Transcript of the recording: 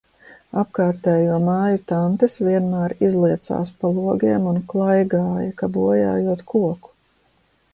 Apkārtējo māju tantes vienmēr izliecās pa logiem un klaigāja, ka bojājot koku.